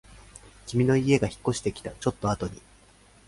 君の家が引っ越してきたちょっとあとに